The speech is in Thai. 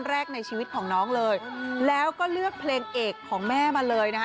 แรกในชีวิตของน้องเลยแล้วก็เลือกเพลงเอกของแม่มาเลยนะคะ